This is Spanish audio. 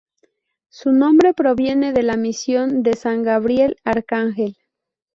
Su nombre proviene de la misión de San Gabriel Arcángel.